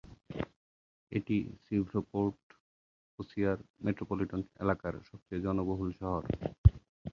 এটি Shreveport Bossier metropolitan এলাকার সবচেয়ে জনবহুল শহর।